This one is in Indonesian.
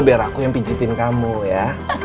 biar aku yang pijitin kamu ya